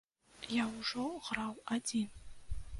Я ўжо граў адзін.